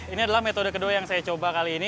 ini adalah metode kedua yang saya coba kali ini